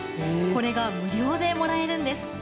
これが無料でもらえるんです。